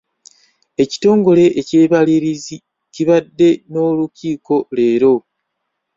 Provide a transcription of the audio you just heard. Ekitongole ekibalirizi kibadde n'olukiiko leero.